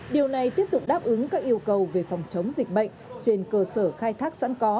điều này tiếp tục đáp ứng các yêu cầu về phòng chống dịch bệnh trên cơ sở khai thác sẵn có